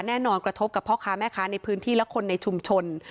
กระทบกับพ่อค้าแม่ค้าในพื้นที่และคนในชุมชน